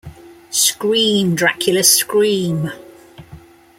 Scream, Dracula, Scream!